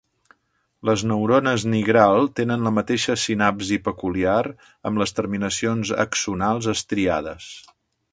Les neurones nigral tenen la mateixa sinapsi peculiar amb les terminacions axonals estriades.